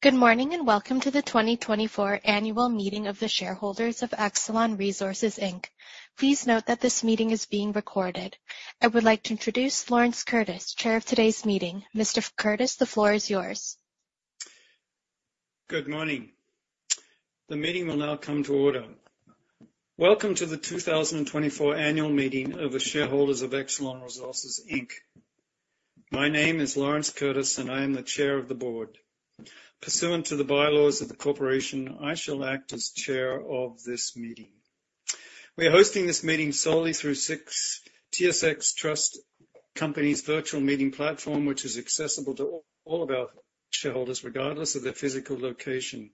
Good morning, and welcome to the 2024 annual meeting of the shareholders of Excellon Resources Inc. Please note that this meeting is being recorded. I would like to introduce Laurence Curtis, Chair of today's meeting. Mr. Curtis, the floor is yours. Good morning. The meeting will now come to order. Welcome to the 2024 annual meeting of the shareholders of Excellon Resources Inc. My name is Laurence Curtis, and I am the Chair of the Board. Pursuant to the bylaws of the corporation, I shall act as chair of this meeting. We are hosting this meeting solely through TSX Trust Company's virtual meeting platform, which is accessible to all of our shareholders, regardless of their physical location.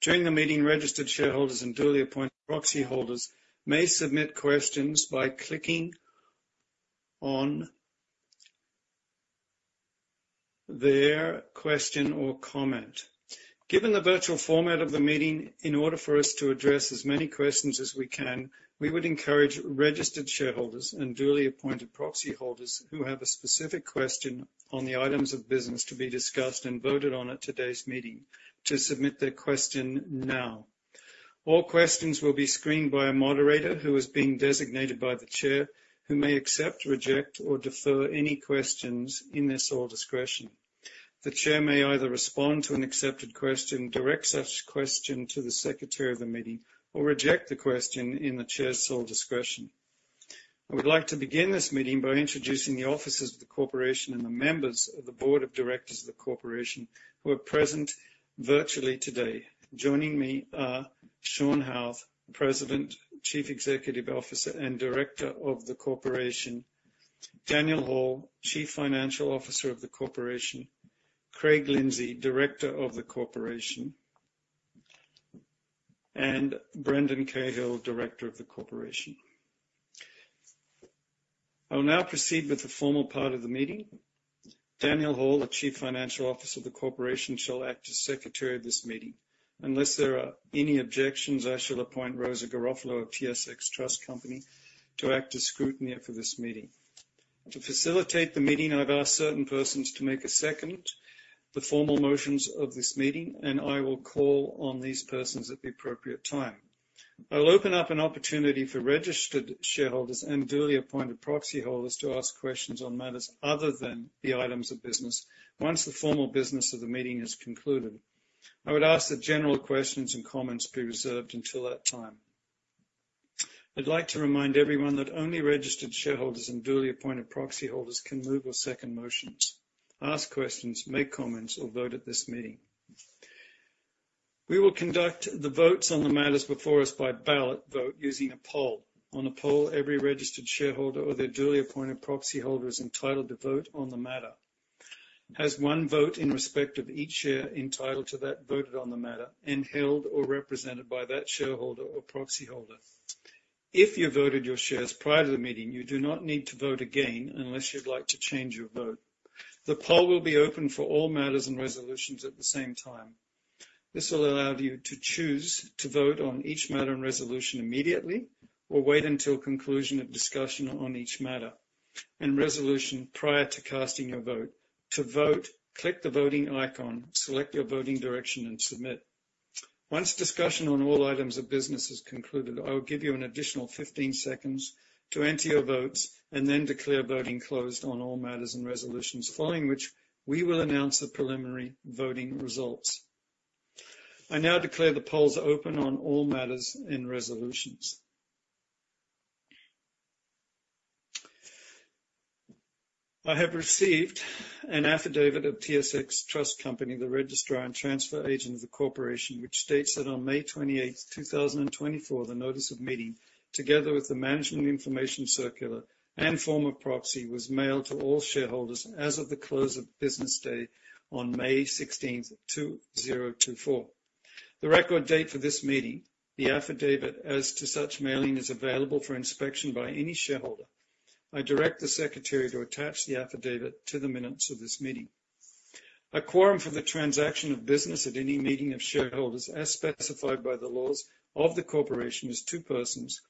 During the meeting, registered shareholders and duly appointed proxy holders may submit questions by clicking on their question or comment. Given the virtual format of the meeting, in order for us to address as many questions as we can, we would encourage registered shareholders and duly appointed proxy holders who have a specific question on the items of business to be discussed and voted on at today's meeting to submit their question now. All questions will be screened by a moderator who is being designated by the chair, who may accept, reject, or defer any questions in their sole discretion. The chair may either respond to an accepted question, direct such question to the secretary of the meeting, or reject the question in the chair's sole discretion. I would like to begin this meeting by introducing the officers of the corporation and the members of the board of directors of the corporation who are present virtually today. Joining me are Shawn Howarth, President, Chief Executive Officer, and Director of the Corporation. Daniel Hall, Chief Financial Officer of the Corporation. Craig Lindsay, Director of the Corporation, and Brendan Cahill, Director of the Corporation. I will now proceed with the formal part of the meeting. Daniel Hall, the Chief Financial Officer of the Corporation, shall act as Secretary of this meeting. Unless there are any objections, I shall appoint Rosa Garofalo of TSX Trust Company to act as scrutineer for this meeting. To facilitate the meeting, I've asked certain persons to second the formal motions of this meeting, and I will call on these persons at the appropriate time. I will open up an opportunity for registered shareholders and duly appointed proxy holders to ask questions on matters other than the items of business once the formal business of the meeting is concluded. I would ask that general questions and comments be reserved until that time. I'd like to remind everyone that only registered shareholders and duly appointed proxy holders can move or second motions, ask questions, make comments, or vote at this meeting. We will conduct the votes on the matters before us by ballot vote using a poll. On a poll, every registered shareholder or their duly appointed proxy holder is entitled to vote on the matter, has one vote in respect of each share entitled to be voted on the matter, and held or represented by that shareholder or proxy holder. If you voted your shares prior to the meeting, you do not need to vote again unless you'd like to change your vote. The poll will be open for all matters and resolutions at the same time. This will allow you to choose to vote on each matter and resolution immediately or wait until conclusion of discussion on each matter and resolution prior to casting your vote. To vote, click the voting icon, select your voting direction, and submit. Once discussion on all items of business is concluded, I will give you an additional 15 seconds to enter your votes and then declare voting closed on all matters and resolutions, following which we will announce the preliminary voting results. I now declare the polls open on all matters and resolutions. I have received an affidavit of TSX Trust Company, the registrar and transfer agent of the corporation, which states that on May 28, 2024, the notice of meeting, together with the Management Information Circular and form of proxy, was mailed to all shareholders as of the close of business day on May 16, 2024. The record date for this meeting, the affidavit as to such mailing, is available for inspection by any shareholder. I direct the secretary to attach the affidavit to the minutes of this meeting. A quorum for the transaction of business at any meeting of shareholders, as specified by the laws of the corporation, is two persons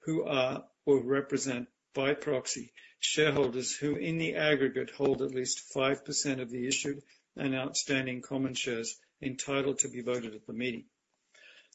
who are, or represent by proxy, shareholders who in the aggregate hold at least 5% of the issued and outstanding common shares entitled to be voted at the meeting.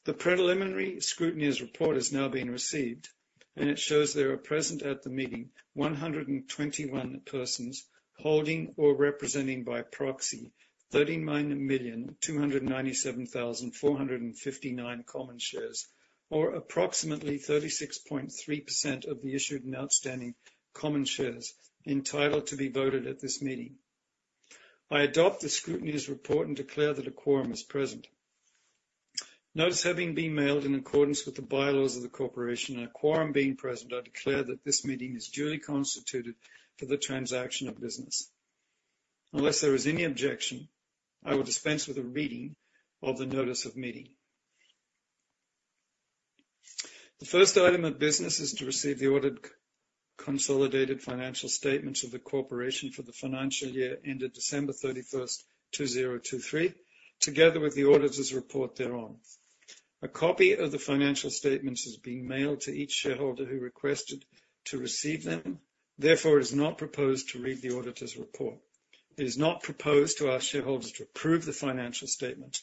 The preliminary scrutineer's report has now been received, and it shows there are present at the meeting 121 persons holding or representing by proxy 39,297,459 common shares, or approximately 36.3% of the issued and outstanding common shares entitled to be voted at this meeting. I adopt the scrutineer's report and declare that a quorum is present. Notice having been mailed in accordance with the bylaws of the corporation and a quorum being present, I declare that this meeting is duly constituted for the transaction of business. Unless there is any objection, I will dispense with a reading of the notice of meeting. The first item of business is to receive the audited consolidated financial statements of the corporation for the financial year ended December 31, 2023, together with the auditor's report thereon. A copy of the financial statements is being mailed to each shareholder who requested to receive them. Therefore, it is not proposed to read the auditor's report. It is not proposed to our shareholders to approve the financial statement.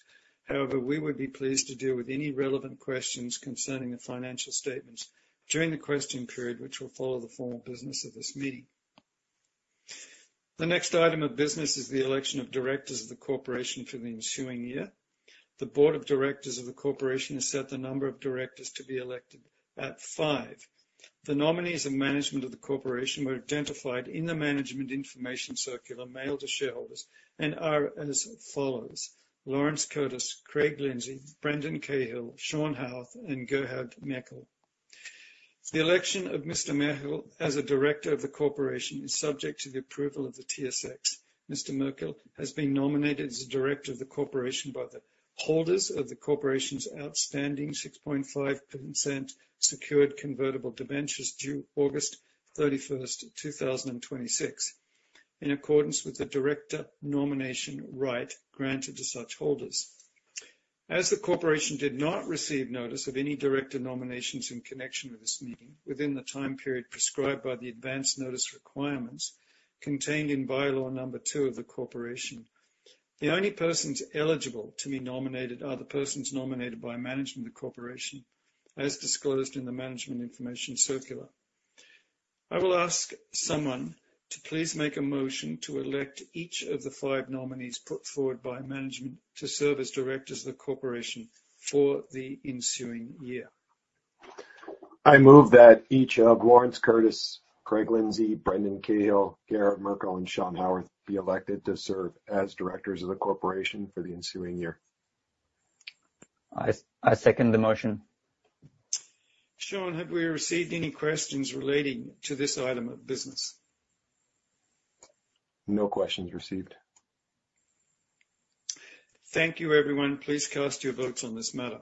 However, we would be pleased to deal with any relevant questions concerning the financial statements during the question period, which will follow the formal business of this meeting. The next item of business is the election of directors of the corporation for the ensuing year. The board of directors of the corporation has set the number of directors to be elected at five. The nominees and management of the corporation were identified in the Management Information Circular mailed to shareholders and are as follows: Laurence Curtis, Craig Lindsay, Brendan Cahill, Shawn Howarth, and Gerhard Merkel. The election of Mr. Merkel as a director of the corporation is subject to the approval of the TSX. Mr. Merkel has been nominated as a director of the corporation by the holders of the corporation's outstanding 6.5% secured convertible debentures due August 31, 2026, in accordance with the director nomination right granted to such holders. As the corporation did not receive notice of any director nominations in connection with this meeting within the time period prescribed by the advance notice requirements contained in Bylaw Number Two of the corporation, the only persons eligible to be nominated are the persons nominated by management of the corporation, as disclosed in the Management Information Circular. I will ask someone to please make a motion to elect each of the five nominees put forward by management to serve as directors of the corporation for the ensuing year. I move that each of Laurence Curtis, Craig Lindsay, Brendan Cahill, Gerhard Merkel, and Shawn Howarth be elected to serve as directors of the corporation for the ensuing year. I second the motion. Shawn, have we received any questions relating to this item of business? No questions received. Thank you, everyone. Please cast your votes on this matter.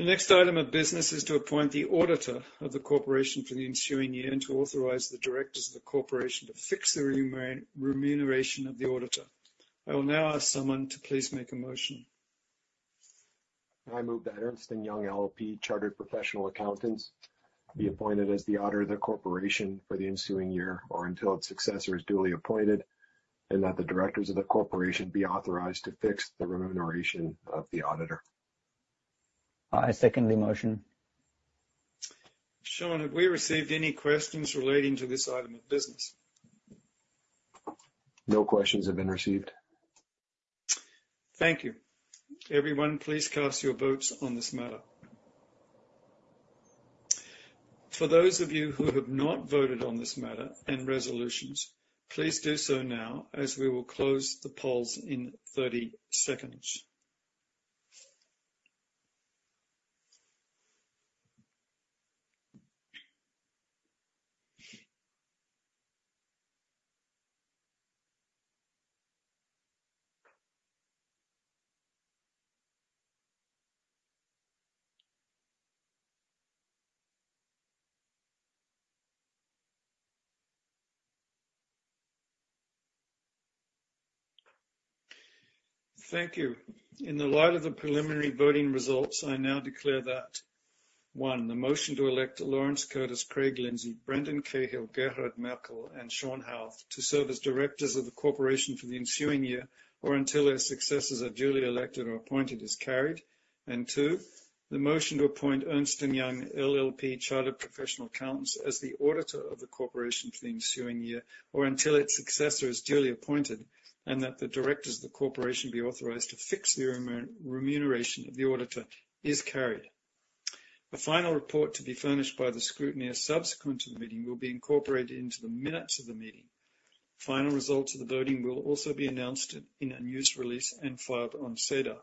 The next item of business is to appoint the auditor of the corporation for the ensuing year and to authorize the directors of the corporation to fix the remuneration of the auditor. I will now ask someone to please make a motion. I move that Ernst & Young LLP Chartered Professional Accountants be appointed as the auditor of the corporation for the ensuing year or until its successor is duly appointed, and that the directors of the corporation be authorized to fix the remuneration of the auditor. I second the motion. Shawn, have we received any questions relating to this item of business? No questions have been received. Thank you. Everyone, please cast your votes on this matter. For those of you who have not voted on this matter and resolutions, please do so now, as we will close the polls in 30 seconds. Thank you. In the light of the preliminary voting results, I now declare that, one, the motion to elect Laurence Curtis, Craig Lindsay, Brendan Cahill, Gerhard Merkel, and Shawn Howarth to serve as directors of the corporation for the ensuing year or until their successors are duly elected or appointed, is carried. Two, the motion to appoint Ernst & Young LLP Chartered Professional Accountants as the auditor of the corporation for the ensuing year or until its successor is duly appointed, and that the directors of the corporation be authorized to fix the remuneration of the auditor, is carried. A final report to be furnished by the scrutineer subsequent to the meeting will be incorporated into the minutes of the meeting. Final results of the voting will also be announced in a news release and filed on SEDAR+.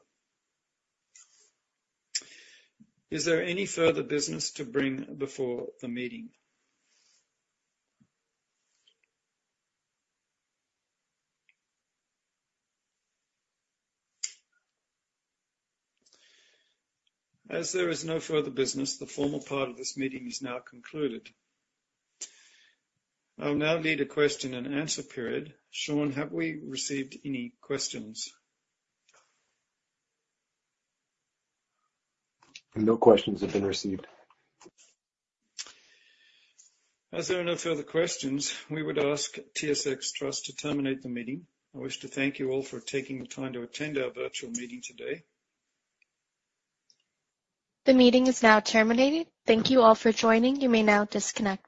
Is there any further business to bring before the meeting? As there is no further business, the formal part of this meeting is now concluded. I will now lead a question and answer period. Shawn, have we received any questions? No questions have been received. As there are no further questions, we would ask TSX Trust to terminate the meeting. I wish to thank you all for taking the time to attend our virtual meeting today. The meeting is now terminated. Thank you all for joining. You may now disconnect.